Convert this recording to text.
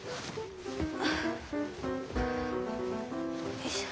よいしょ。